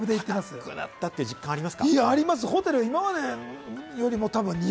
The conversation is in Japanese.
高くなったという実感ありますか？